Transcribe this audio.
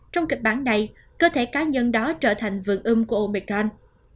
trong kịch bản này cơ thể cá nhân đó trở thành vườn ưm của omicron